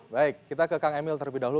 baik kita ke kang emil terlebih dahulu